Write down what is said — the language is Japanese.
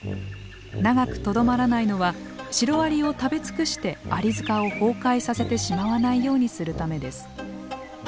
長くとどまらないのはシロアリを食べ尽くしてアリ塚を崩壊させてしまわないようにするためです。